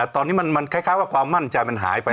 ตอนนี้มันคล้ายว่าความมั่นใจมันหายไป